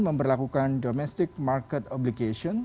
memperlakukan domestic market obligation